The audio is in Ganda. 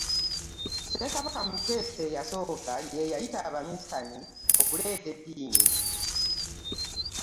Ssekabaka Muteesa eyasooka ye yayita abaminsani okuleeta eddiini.